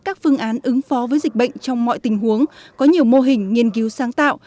các phương án ứng phó với dịch bệnh trong mọi tình huống có nhiều mô hình nghiên cứu sáng tạo